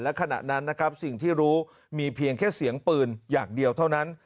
และขณะนั้นนะครับสิ่งที่รู้มีเพียงแค่เสียงปืนอย่างเดียวเท่านั้น